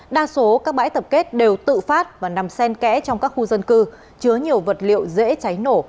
đa số các bãi tập kết đều tự phát và nằm sen kẽ trong các khu dân cư chứa nhiều vật liệu dễ cháy nổ